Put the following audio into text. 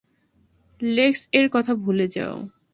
লেক্স এর কথা ভুলে যাও।